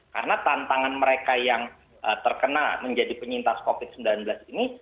karena tantangan mereka yang terkena menjadi penyintas covid sembilan belas ini